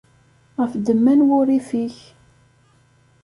Ɣef ddemma n wurrif-ik.